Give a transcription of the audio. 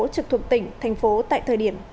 trực thuộc tỉnh thành phố tại thời điểm